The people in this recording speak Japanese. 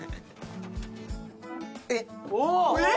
えっ！